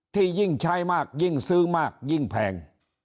ที่ยิ่งใช้มากยิ่งซื้อมากยิ่งแพง